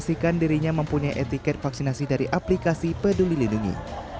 memastikan dirinya mempunyai etiket vaksinasi dari aplikasi peduli lindungi